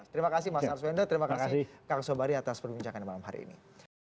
terima kasih mas arswendo terima kasih kang sobari atas perbincangan malam hari ini